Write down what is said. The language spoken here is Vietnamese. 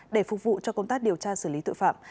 để phục vụ cho công tác điều tra xử lý tội phạm